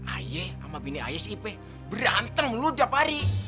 ayah sama bini ayah si ipe berantem lo tiap hari